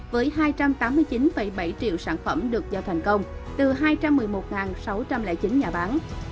với hai trăm tám mươi chín bảy triệu sản phẩm được giao thành công từ hai trăm một mươi một sáu trăm linh chín nhà bán